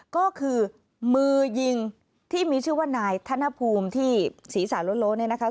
ก็คือมือยิงที่มีชื่อว่านายธนภูมิที่สีสาล้นนะครับ